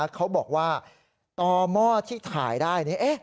เขาบอกว่าต่อหม้อที่ถ่ายได้